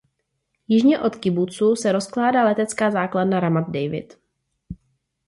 Jižně od kibucu se rozkládá letecká základna Ramat David.